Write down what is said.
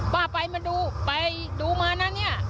ป้าไปมาดูไปดูมานะเนี่ย